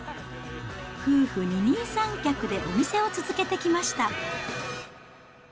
夫婦二人三脚でお店を続けてきました。